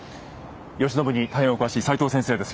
慶喜に大変お詳しい齊藤先生です。